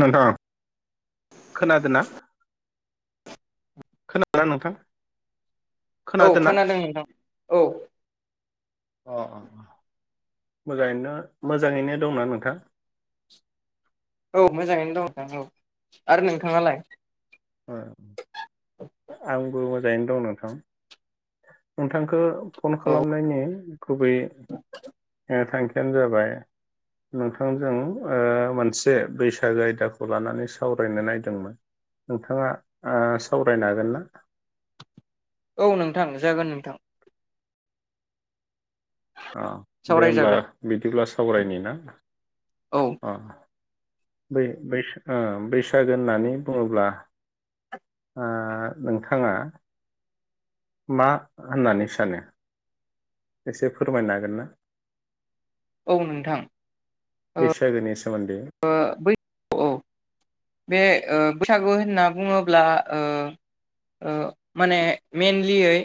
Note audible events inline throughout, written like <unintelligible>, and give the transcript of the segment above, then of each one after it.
नोंथां खोनादों ना खोनादोंना नोंथां औ खोनादोंना? खोनादों नोंथां औ अ अ मोजाङैनो मोजाङैनो दंना नोंथां औ मोजाङैनो दं नोंथां औ आरो नोंथाङालाय आंबो मोजाङैनो दं नोंथां नोंथांखौ फन औ खालामनायनि गुबै ओ थांखि खिनो जाबाय नोंथांजों ओ मोनसे बैसागो आयदाखौ लानानै सावरायनो नायदोंमोन नोंथाङा आ सावरायनो हागोन ना? औ नोंथां जागोन नोंथां अ दे होमब्ला सावरायजागोन बिदिब्ला स सावरायनि ना? औ अ बै-बैसा आ बैसागो होननानै बुङोब्ला आ नोंथाङा मा होननानै सानो? एसे फोरमायनो हागोन ना? औ नोंथां बैसागोनि सोमोन्दै बै औ बे ओ बैसागु होनना बुङोब्ला ओ ओ माने मेनलियै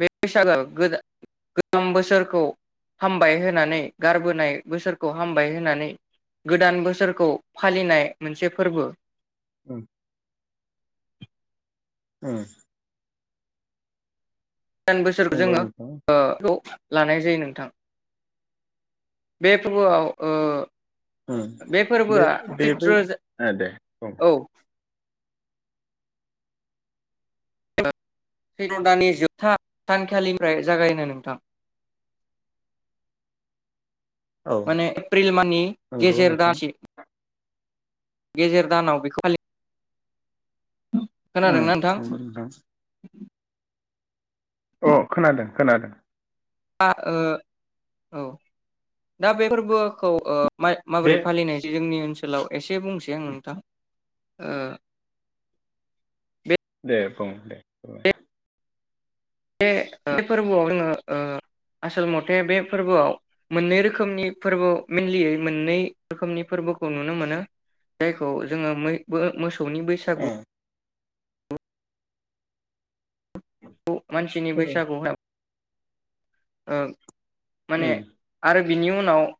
बे बैसागो गोदा गोजाम बोसोरखौ हामबाय होनानै गारबोनाय बोसोरखौ हामबाय होनानै गोदान बोसोरखौ फालिनाय मोनसे फोरबो। उम औ गोदान बोसोरखौ नंगौ जोङो नोंथां अ <unintelligible> लानाय जायो नोंथां बे फोरबोआव उम ओ बे फोरबोआ बे बै चित्रजे ओ दे बुं औ <unintelligible> सैत्र दानि जोबथा सानखालिनिफ्राय जागायनो नोंथां औ माने एप्रिल माननि नंगौ गेजेर नोंथां दानसि गेजेर दानाव बेखौ फालि उम खोनादोंना नोंथां? नंगौ अ खोनादों खोनादों। आ ओ औ दा बे फोरबोखौ ओ माय बे माबोरै फालिनायजो जोंनि ओ सोलाव एसे एसे बुंसै आं नोंथां ओ बे दे बुं दे बुं बे ओ बे फोरबोआव जोङो ओ आसल मथे बे फोरबोआव मोननै रोखोमनि फोरबो मेनलियै मोननै रोखोमनि फोरबोखौ नुनो मोनो जायखौ जोङोै मैबो मोसौ सौनि बैसागु <inaudible> मानसिनि उम बैसागु औ माने उम आरो बिनि उनाव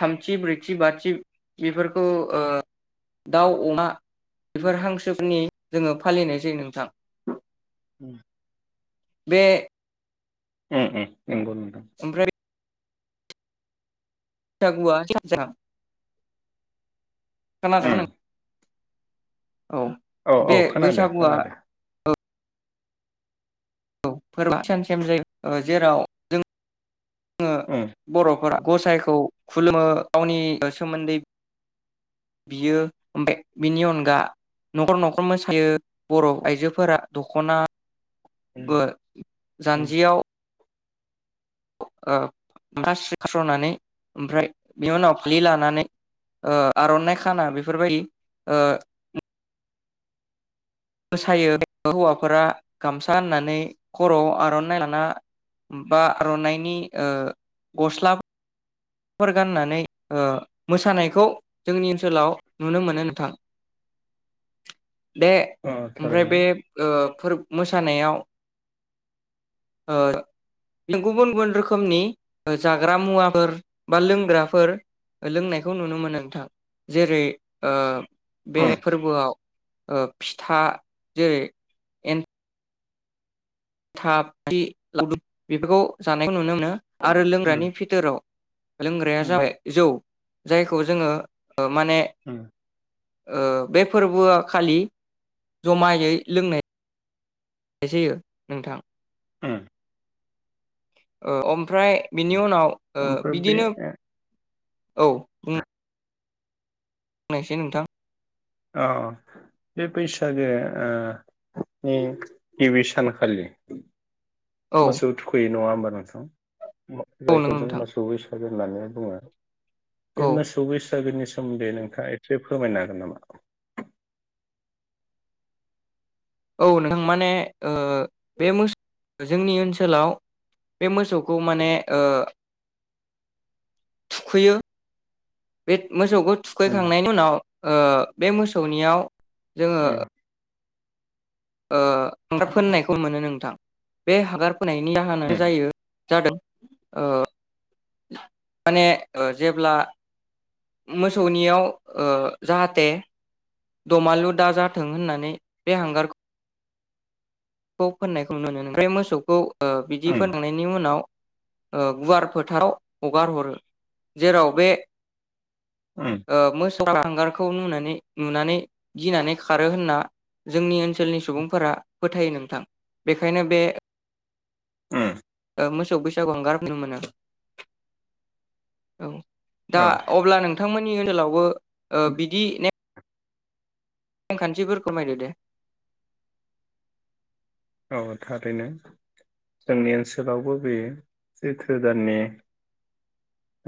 थामथि ब्रैथि बाथि बेफोरखौ उ दाउ अमा बेफोर हांसोफोनि जोङो फालिनाय जायो नोंथां उम बे उम उम नंगौ नोंथां ओमफ्राय सागुवा <unintelligible> खोनादों उम नों औ औ औ बे खोनादो बैसागुआ खोनादो औ ओ फोरबोआ सानसेम जायो ओ जेराव जों जोङो उम बरफोरा गसाइखौ खुलुमो गावनि सोमोन्दै बियो ओमफाय बिनि अनगा नखर-नखर मोसायो बर आयजोफोरा दखना उम बो उम जान्जियाव <unintelligible> ओमफ्राय बेनि उनाव फालि लानानै ओ आरनाइ खाना बेफोरबायदि ओ‌ म मोसायो हौवाफोरा गामसा होननानै खरआव आरनाइ लाना बा आरनाइनि ओ गस्लाफ फोर गान्नानै ओ मोसानायखौ जोंनि ओनसोलाव नुनो मोनो नोंथां। बे अ ओमफ्राय थारैनो बेब ओ फोरब मोसानायाव <inaudible> ओ गुबुन गुबुन रोखोमनि जाग्रा मुवाफोर बा लोंग्राफोर लोंनायखौ नुनो मोनो नोंथां जेरै ओ बे उम फोरबोआव फिथा जेरै एन थाब फि लादु बेफोरखौ जानायखौ नुनो मोनो। आरो उम लोंग्रानि बिथोराव लोंग्राया उम जाबाय जौ जायखौ जोङो ओ माने उम ओ बे फोरबोआ खालि जमायै लोंनाय जायो नोंथां ओमफ्राय बिनि उम उनाव ओमफ्राय बे बिदिनो औ नायसै नोंथां अ बे बैसागो गिबि सानखालि औ मोसौ थुखैयो नङा होनबा नोंथां अ औ जायखौ नोंगौ जों नोंथां मोसौ बैसागो होननानै बुङो बे औ मोसौ बैसा गोनि सोमोन्दै नोंथाङा एसे फोरमायनो हागोन नामा? औ नोंथां माने ओ बे मोस जोंनि ओनसोलाव बे मोसौखौ माने ओ थुखैयो बे मोसौखौ उम थुखैखांनायनि उनाव ओ बे मोसौनियाव जोङो उम ओ हांगार फोननायखौ मोनो नोंथां बे हांगार फोननायनि जाहोनानो जायो जादों ओ माने जेब्ला मोसौनियाव ओ जाहाथे दमालु दाजाथों होननानै बे हांगारखौ खौ फोननायखौ नुनो मोनो ओमफ्राय मोसौखौ ओ बिदि उम फोनखांनायनि उनाव गुवार फोथाराव हगार हरो जेराव बे उम ओ मोस हांगारखौ नुनानै नुनानै गिनानै खारो होनना जोंनि ओनसोलनि सुबुंफोरा फोथायो नो। थां बेखायनो बे उम। ओ मोसौ बैसागु हांगार फुनो मोनो औ। दा औ अब्ला नोंथांमोन नि ओनसोलावबो ओ बिदि ने नेमखान्थिखौ फोरमायदो दे। औ थारैनो जोंनि ओनसोलावबो बे सैथो दाननि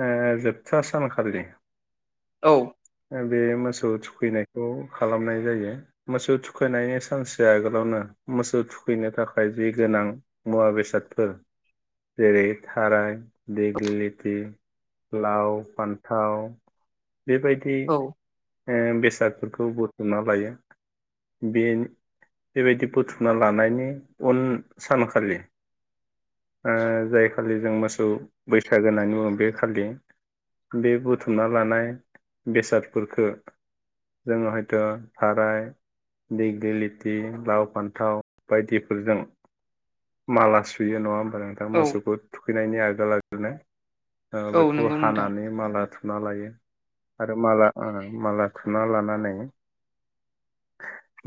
ओ जोबथा सानखालि औ। बे मोसौ थुखैनायखौ खालामनाय जायो मोसौ थुखैनायनि सानसे आगोलावनो मोसौ थु खैनो थाखाय जि गोनां मुवा बेसादफोर जेरै थाराय देग्लिलिथि लाव फान्थाव बेबायदि औ ओ बेसादफोरखौ बुथुमना लायो बे बेबायदि बुथुमना लानायनि उन सानखालि ओ जाय खालि जों मोसौ बैसागो होननानै बुङो बे खालि बे बुथुमना लानाय बेसादफोरखो जोङो हयथ' थाराय दिग्लिलिथि लाव फान्थाव बायदिफोरजों माला सुयो नङा होमबा? नोंथां मोसौखौ खैनायनि आगोल आगोलनो। ओ औ बेखौ नंगौ नोंथां हानानै माला थु थुना लायो आरो माला माला थुना लानानै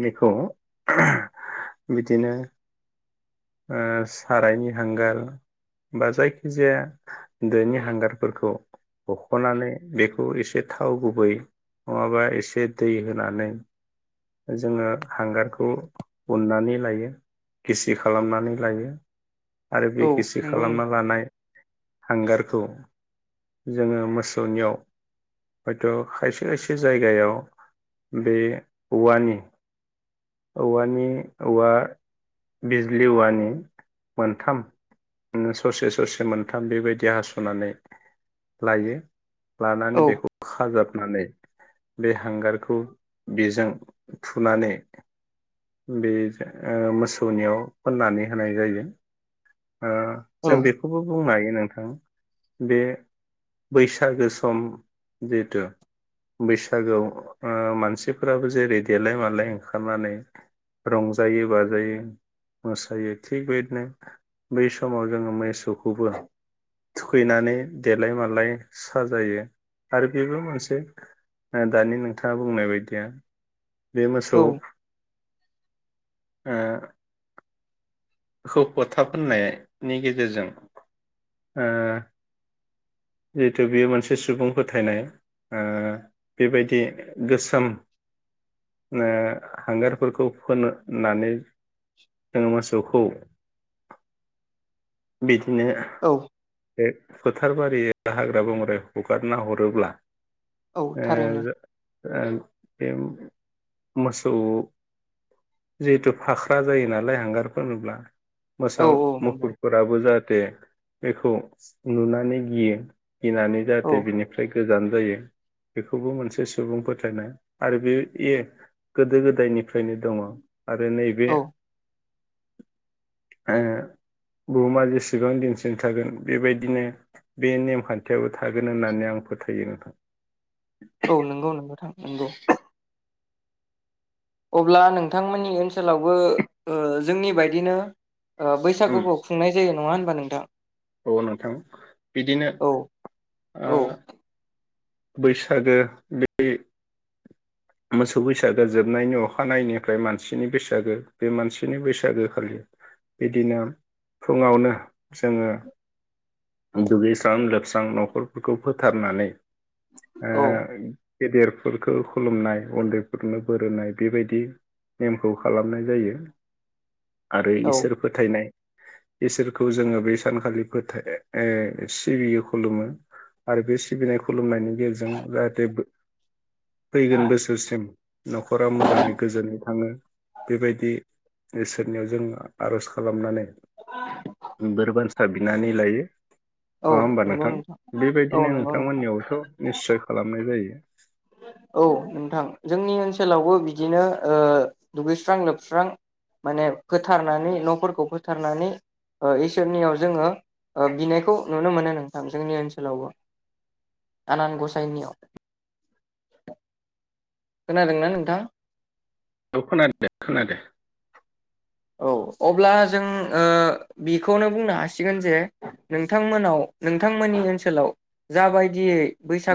बेखौ बिदिनो ओ सारायनि हांगार बा जायखिजाया दोनि हांगारफोरखौ बख'नानै बेखौ एसे थाव गुबै नङाबा एसे दै होनानै जोङो हांगारखौ उननानै लायो गिसि खालामनानै लायो। आरो बे औ गिसि नंगौ नंगौ खालामना लानाय हांगारख खौ जोङो मोसौनियाव हयथ' खायसे खायसे जायगायाव बे औवानि औवानि औवा बिजलि औवानि मोनथाम ससे ससे मोनथाम बेबायदि हास'नानै लायो। लानानै औ बेखौ खाजाबनानै बे हांगारखौ बेजों थुनानै बे ओ मोसौनियाव फोननानै होनाय जायो। ओ औ जों बेखौबो बुंनो हायो नोंथां बे बैसागो सम जिहेथु बैसागोआव ओ मानसिफोराबो जेरै देलाय मालाय ओंखारनानै रंजायो बाजायो मोसायो थिग बेदिनो बै समाव जोङो मोसौखौबो थुखैनानै देलाय मालाय साजायो आरो बेबो मोनसे ओ दानि नोंथाङा बुंनाय बायदिया। बेे मोसौ औ ए खौ फोथा होननायनि गेजेरजों ओ जिहेथु बेयो मोनसे सुबुं फोथायनाय ओ बेबायदि गोसोम ओ हांगारफोरखौ फोननो नानै जोङो मोसौखौ बि नो औ बे फोथार बारि दा हाग्रा बंग्राय हगारना हरोब्ला औ ओ थारैनो जो ओ बे मोसौ जिहेथु फाख्रा जायो नालाय हांगारफोनब्ला मोसा औ औ नंगौ मुफुरफोराबो जाहाथ दे बेखौ नुनानै गियो। गिनानै औ जाहाथे बिनिफ्राय गोजान जायो बेखौबो मोनसे सुबुं फोथायनाय आरो बेयो ए गोदो गोदायनिफ्रायनो दङ। आरो नैबे औ ओ बुहुमा जेसेबां दिनसिम थागोन बेबायदिनो बे नेम खान्थियाबो थागोन होननानै आं फोथायो नोंथां। औ नोंगौ नोंथां नंगौ। अब्ला नोंथांमोननि ओनसोलावबो ओ जोंनि बायदिनो ओ उम बैसागुखौ खुंनाय जे नङा होनबा नोंथां। औ नोंथां बिदिनो औ ओ औ बैसागो बे मोसौ बैसागो जोबनायनि अखानायैनिफ्राय मानसिनि बैसागो बे मानसिनि बैसागो खालि बिदिनो फुङावनो जोङो दुगैस्रां लोबस्रां न'खरफोरखौ फोथारनानै ओ औ गेदेरफोरखौ खुलुमनाय उन्दैफोरनो बोरहोनाय बे बायदि नेमखौ खालामनाय जायो। आरो औ इसोर फोथायनाय इसोरखौ जोङो बे सानखालि फोथाय सिबियो खुलुमो आरो बे सिबिनाय खुलुमनायनि गेजेरजों जाहाथे बो फैगोन बोस न'खरा मोजाङै गोजोनै थाङो बेबायदि इसोरनियाव जों आरज खालामनानै <unintelligible> हा बिनानै लायो। औ नङा होमबा नंगौ नोंथां औ बेबायदिनो नंगौ नोंथां नोंथांमोननियावथ' निस्सय खालामनाय जायो। औ नोंथां जोंनि ओनसोलावबो बिदिनो ओ दुगैस्रां लोबस्रां माने फोथारनानै न'फोरखौ फोथारनानै इसोरनियाव जोङो बिनायखौ नुनो मोनो नोंथां जोंनि ओनसोलावबो आनान गसाइनियाव। खोनादोंना नोंथा? औ खोनादो दे खोनादो। औ अब्ला जों ओ बेखौनो बुंनो हासिगोन जे नोंथांमोनाव नोंथांमोननि ओनसोलाव जाबायदियै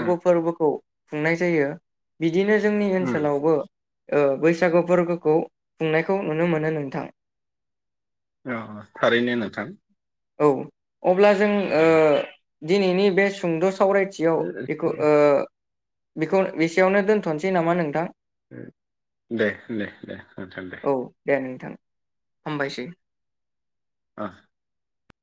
उम फोरबोखौ खुंनाय जायो बि दिनो जोंनि उम ओनसोलावबो ओ बैसागु फोरबोखौ खुंनायखौ नुनो मोनो नोंथां। औ थारैनो नोंथां। औ। अब्ला जों ओ दिनैनि बे सुंद' सावरायथियाव एखौ ओ बेखौ बेसेयावनो दोनथ'नोसै नामा नोंथां? दे दे दे ओथोन दे। औ दे नोंथां हामबायसै। आ।